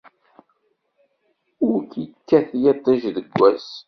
Ur k-ikkat yiṭij deg wass.